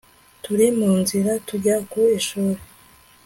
Turi mu nzira tujya ku ishuri